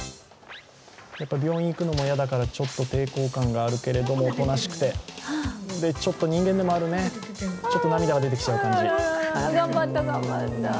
病院に行くのも嫌だから、ちょっと抵抗感があるけれども、おとなしくて、ちょっと人間でもあるね、ちょっと涙が出てきちゃう感じ。